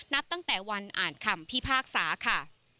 นับตั้งแต่วันอ่านคำพิพากษาค่ะ